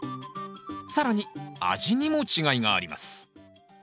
更に味にも違いがあります